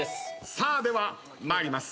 さあでは参ります。